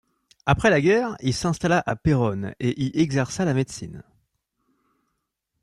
Après la guerre, il s'installa à Péronne et y exerça la médecine.